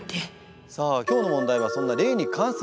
さあ今日の問題はそんな霊に関する問題です。